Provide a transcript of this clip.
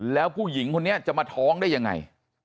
แล้วผู้หญิงคนนี้จะมาท้องได้ยังไง